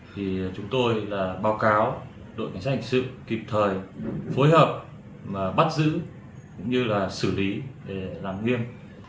thì chúng tôi báo cáo đội cảnh sát hành sự kịp thời phối hợp bắt giữ xử lý để làm nguyên